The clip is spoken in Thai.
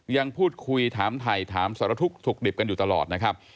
ยังพูดคุยถามถ่ายถามสารทุกข์สุขดิบกันอยู่ตลอดนะครับ